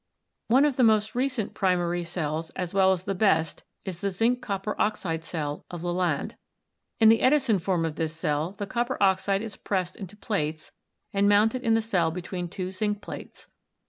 One of the most recent primary cells as well as the best is the zinc copper oxide cell of Lalande. In the Edison form of this cell, the copper oxide is pressed into plates and mounted in the cell between two zinc plates.